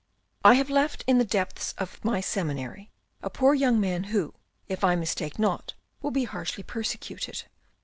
" I have left in the depths of my seminary a poor young man who, if I mistake not, will be harshly persecuted.